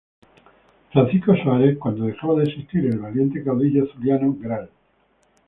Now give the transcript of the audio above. Francisco Suárez; cuando dejaba de existir el valiente caudillo zuliano Gral.